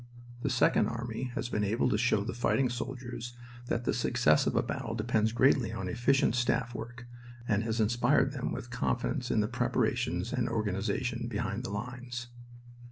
The Second Army has been able to show the fighting soldiers that the success of a battle depends greatly on efficient staff work, and has inspired them with confidence in the preparations and organization behind the lines."